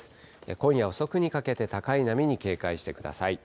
今夜遅くにかけて、高い波に警戒してください。